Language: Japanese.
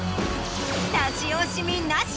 出し惜しみなし！